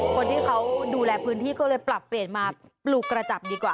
คนที่เขาดูแลพื้นที่ก็เลยปรับเปลี่ยนมาปลูกกระจับดีกว่า